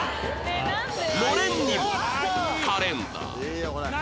のれんにもカレンダー